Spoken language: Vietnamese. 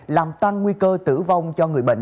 làm tăng nguy cơ tử vong cho người bệnh